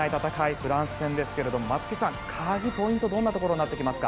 フランス戦ですが松木さんポイントはどんなところになってきますか？